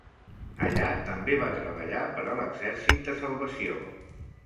Allà també va treballar per a l'Exèrcit de Salvació.